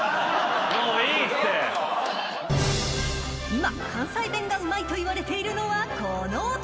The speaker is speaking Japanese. ［今関西弁がうまいといわれているのはこの男］